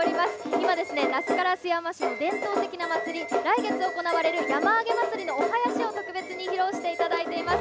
今ですね、那須烏山市の伝統的な祭り、来月行われる山あげ祭のお囃子を特別に披露していただいています。